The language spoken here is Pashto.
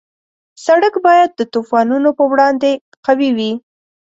سړک باید د طوفانونو په وړاندې قوي وي.